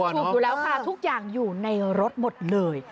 ถูกอยู่แล้วค่ะทุกอย่างอยู่ในรถหมดเลย